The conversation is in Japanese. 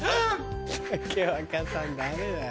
竹若さんダメだよ。